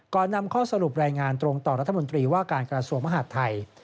นำข้อสรุปรายงานตรงต่อรัฐมนตรีว่าการกระทรวงมหาดไทย